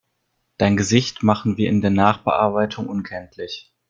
Dein Gesicht machen wir in der Nachbearbeitung unkenntlich.